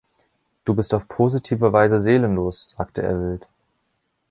„Du bist auf positive Weise seelenlos“, sagte er wild.